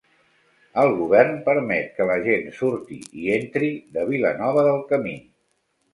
El govern permet que la gent surti i entri de Vilanova del Camí